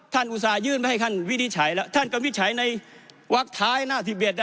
ท่านอุตส่ายื่นไปให้ท่านวิธีใช้แล้วท่านกำวิธีใช้ในวักท้ายหน้าสิบเอ็ด